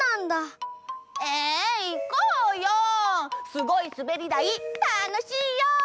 すごいすべりだいたのしいよ！